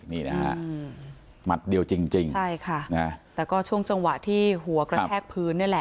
นี่นะฮะหมัดเดียวจริงจริงใช่ค่ะนะแต่ก็ช่วงจังหวะที่หัวกระแทกพื้นนี่แหละ